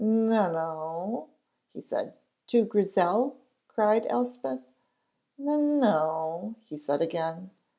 "N no," he said. "To Grizel?" cried Elspeth. "N no," he said again.